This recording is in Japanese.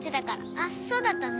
あっそうだったね。